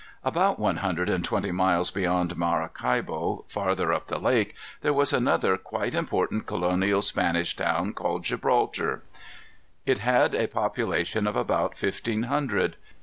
About one hundred and twenty miles beyond Maracaibo, farther up the lake, there was another quite important colonial Spanish town, called Gibraltar. It had a population of about fifteen hundred.